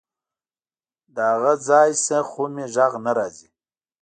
له هغه ځای نه خو مې غږ نه راځي.